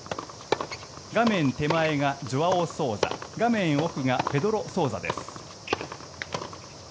画面手前がジョアオ・ソウザ画面奥がペドロ・ソウザです。